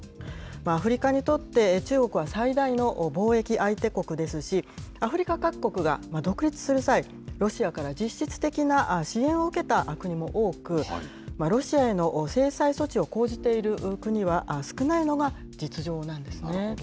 アフリカにとって中国は最大の貿易相手国ですし、アフリカ各国が独立する際、ロシアから実質的な支援を受けた国も多く、ロシアへの制裁措置を講じている国は少ないのが実情なんですね。